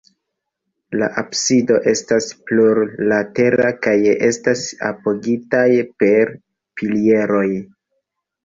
La absido estas plurlatera kaj estas apogitaj per pilieroj.